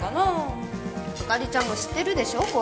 あかりちゃんも知ってるでしょ？